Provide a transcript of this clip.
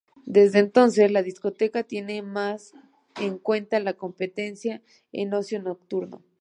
Desde entonces, la discoteca tiene más en cuenta la competencia en ocio nocturno.